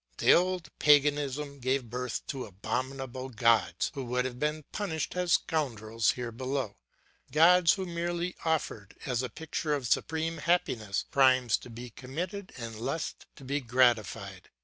The old paganism gave birth to abominable gods who would have been punished as scoundrels here below, gods who merely offered, as a picture of supreme happiness, crimes to be committed and lust to be gratified.